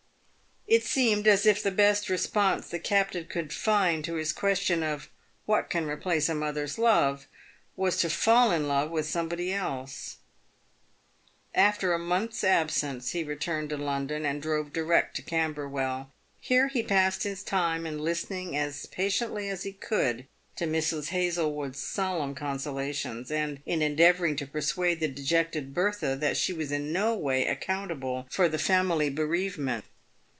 It seemed as if the best response the captain could find to his ques tion of " What can replace a mother's love ?" was to fall in love with somebody else. After a month's absence he returned to London, and drove direct to Camberwell. Here he passed his time in listening as patiently as he could to Mrs. Hazlewood's solemn consolations, and in endeavouring to persuade the dejected Bertha that she was in no way accountable for the family bereavement.